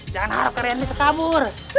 jangan harap kalian bisa kabur